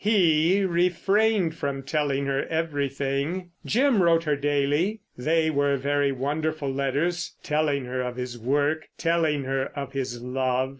He refrained from telling her everything. Jim wrote to her daily. They were very wonderful letters telling her of his work, telling her of his love.